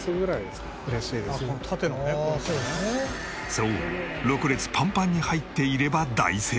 そう６列パンパンに入っていれば大成功。